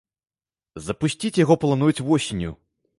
Запусціць яго плануюць восенню.